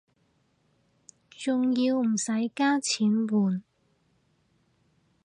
仲要唔使加錢換